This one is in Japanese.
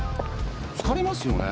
疲れますよね？